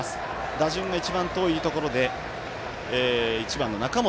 打順が一番遠いところで１番の中本。